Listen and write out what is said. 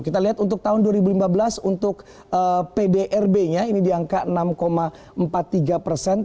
kita lihat untuk tahun dua ribu lima belas untuk pdrb nya ini di angka enam empat puluh tiga persen